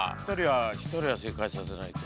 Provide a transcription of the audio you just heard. １人は正解させないと。